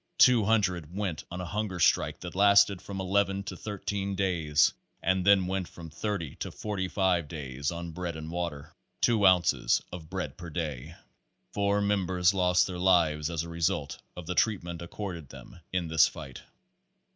Two hundred went on a hunger strike that lasted from 11 to 13 days, and then went from 30 to 45 days on bread and water; two ounces of bread per day. Four members lost their lives as a re sult of the treatment accorded them in this fight.